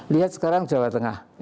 lihat sekarang jawa tengah